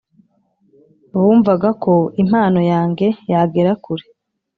bumvaga ko impano yange yagera kure